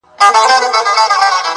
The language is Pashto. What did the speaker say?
د سودا اخیستل هر چاته پلمه وه-